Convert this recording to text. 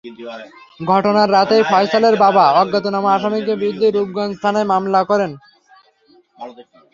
ঘটনার রাতেই ফয়সালের বাবা অজ্ঞাতনামা আসামিদের বিরুদ্ধে রূপগঞ্জ থানায় মামলা করেন।